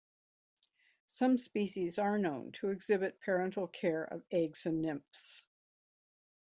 Some species are known to exhibit parental care of eggs and nymphs.